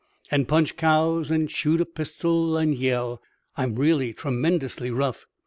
" and punch cows and shoot a pistol and yell. I'm really tremendously rough.